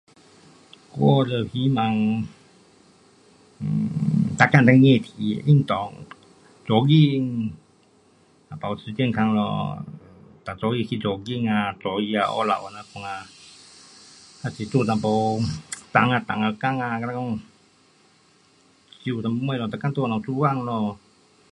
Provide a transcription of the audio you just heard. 我就希望，um 每天都一起运动，jogging, 保持健康咯，每早上去 jogging 啊，早上下午啊，晚上啊。，还是做一点重啊，重的工啊，好像说就咯东西每天在那头做工咯。